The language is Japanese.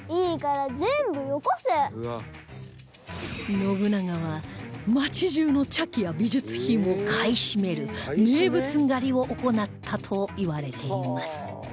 信長は街中の茶器や美術品を買い占める名物狩りを行ったといわれています